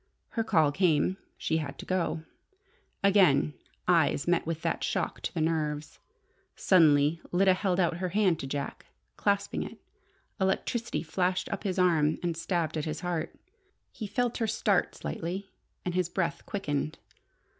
Her call came. She had to go. Again eyes met with that shock to the nerves. Suddenly Lyda held out her hand to Jack. Clasping it, electricity flashed up his arm and stabbed at his heart. He felt her start slightly, and his breath quickened.